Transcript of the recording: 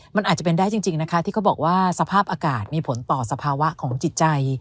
มันอาจจะเป็นได้จริงนะคะที่เขาบอกว่าสภาพอากาศมีผลต่อสภาวะของจิตใจ